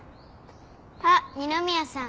あっ二宮さん